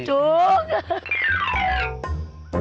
ถูก